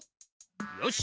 よし。